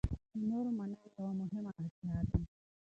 د نورو منل یوه مهمه اړتیا ده.